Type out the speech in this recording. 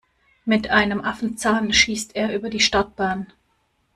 Mit einem Affenzahn schießt er über die Startbahn.